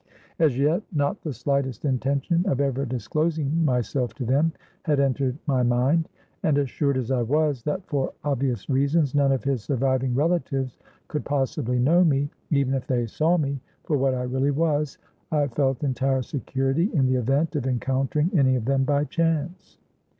As yet not the slightest intention of ever disclosing myself to them, had entered my mind. And assured as I was, that for obvious reasons, none of his surviving relatives could possibly know me, even if they saw me, for what I really was, I felt entire security in the event of encountering any of them by chance.